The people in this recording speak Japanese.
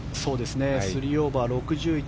３オーバー６０位